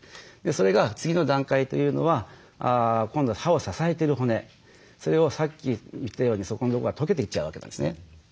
それが次の段階というのは今度は歯を支えてる骨それをさっき言ったようにそこんとこが溶けていっちゃうわけですね。